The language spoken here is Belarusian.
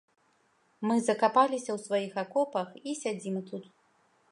Мы закапаліся ў сваіх акопах і сядзім тут.